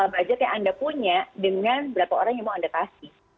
budget yang anda punya dengan berapa orang yang mau anda kasih